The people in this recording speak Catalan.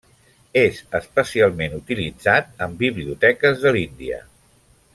És especialment utilitzat en biblioteques de l'Índia.